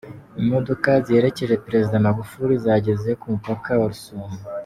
Imodoka ziherekeje Perezida Magufuli zageze ku mupaka wa Rusumo.